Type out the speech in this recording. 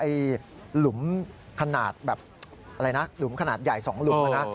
หลุมขนาดแบบอะไรนะหลุมขนาดใหญ่๒หลุมนะ